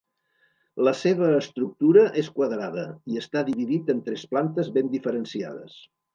La seva estructura és quadrada i està dividit en tres plantes ben diferenciades.